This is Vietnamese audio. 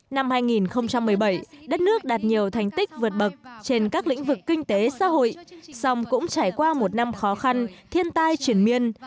năm hai nghìn một mươi bảy đất nước đạt nhiều thành tích vượt bậc trên các lĩnh vực kinh tế xã hội song cũng trải qua một năm khó khăn thiên tai triển miên